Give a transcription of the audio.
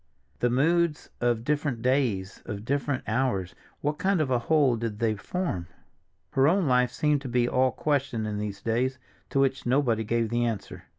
The moods of different days, of different hours, what kind of a whole did they form? Her own life seemed to be all question in these days, to which nobody gave the answer.